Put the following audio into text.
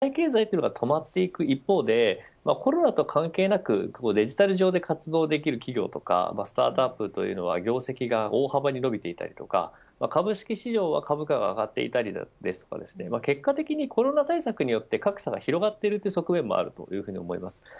その実体経済というのがたまっていく一方でコロナと関係なくデジタル上で活動できる企業とかスタートアップというの業績が大幅に伸びていたりとか株式市場は株価が上がっていたり結果的に、コロナ対策によって格差が広がっている側面もあります。